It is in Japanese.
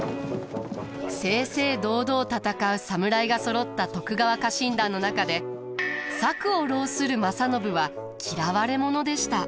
正々堂々戦う侍がそろった徳川家臣団の中で策を弄する正信は嫌われ者でした。